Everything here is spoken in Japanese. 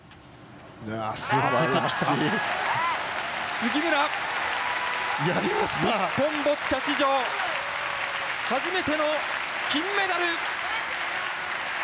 杉村、日本ボッチャ史上初めての金メダル！